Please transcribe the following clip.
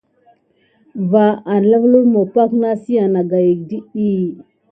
Va apat ó lumu pak si agaye aka det ɗiy.